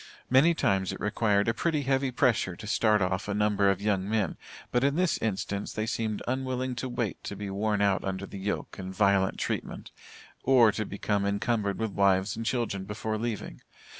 Many times it required a pretty heavy pressure to start off a number of young men, but in this instance they seemed unwilling to wait to be worn out under the yoke and violent treatment, or to become encumbered with wives and children before leaving.